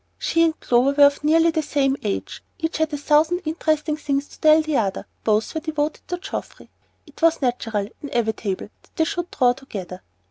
She and Clover were of nearly the same age, each had a thousand interesting things to tell the other, both were devoted to Geoffrey, it was natural, inevitable, that they should draw together.